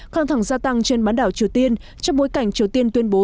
căng thẳng gia tăng trên bán đảo triều tiên trong bối cảnh triều tiên tuyên bố